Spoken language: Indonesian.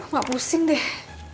mak pusing deh